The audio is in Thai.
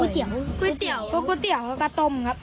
ก๋วยเตี๋ยวก๋วยเตี๋ยวกระต้มครับ